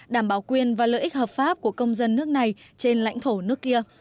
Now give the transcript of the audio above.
đảm bảo quyền và lợi ích hợp pháp của công dân nước này trên lãnh thổ nước kia